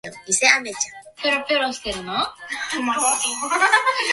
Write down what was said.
比叡山や東山をはじめ、西山、北山の一帯が見渡せる